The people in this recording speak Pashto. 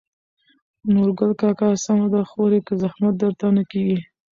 نورګل کاکا: سمه ده خورې که زحمت درته نه کېږي.